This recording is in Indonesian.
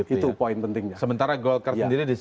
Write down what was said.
itu poin pentingnya sementara golkar sendiri